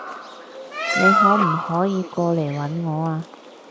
你可唔可以過嚟搵我啊？